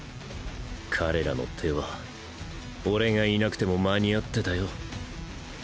彼らの手は俺がいなくても間に合ってたよ